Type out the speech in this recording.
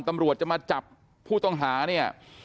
ตำรวจจะมาจับผู้ต้องหาเนี่ย